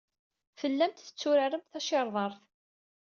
Tellamt tetturaremt tacirḍart.